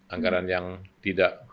anggaran yang tidak